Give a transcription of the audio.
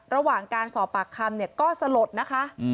ระหว่างการสอบปากคำเนี่ยก็สลดนะคะ